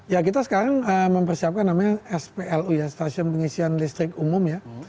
ya kita sekarang mempersiapkan namanya splu ya stasiun pengisian listrik umum ya